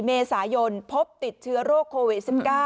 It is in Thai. เมษายนพบติดเชื้อโรคโควิด๑๙